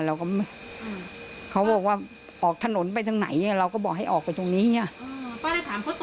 แล้วบ้านที่เขากระโดดลงมาเราทราบไปบ้านหลังไหน